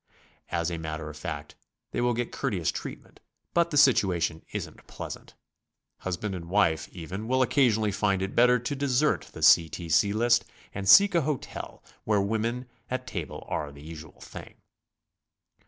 As a matter of fact, they will get courteous treatment, but the situation isn't pleasant. Husband and wife, even, will occasionally find it better to desert the C. T. C. list and seek a hotel where women at table are the usual thing.